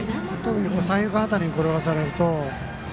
三遊間辺りに転がされると。